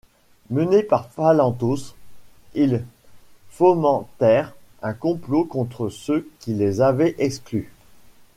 Menés par Phalanthos, ils fomentèrent un complot contre ceux qui les avaient exclus.